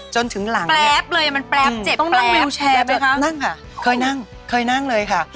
จนถึงหลังนี่ไม่เป็นไรนะครับนั่งค่ะเคยนั่งเลยค่ะ